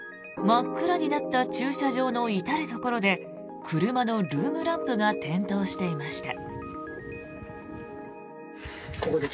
真っ暗になった駐車場の至るところで車のルームランプが点灯していました。